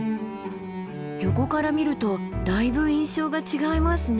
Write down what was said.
横から見るとだいぶ印象が違いますね。